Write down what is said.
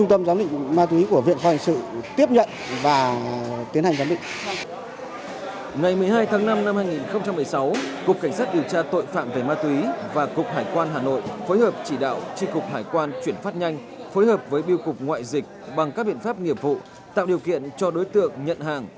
tất cả kết quả tri cục hải quan chuyển phát nhanh đã lấy mẫu giám định